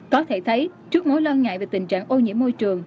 có thể thấy trước mối lo ngại về tình trạng ô nhiễm môi trường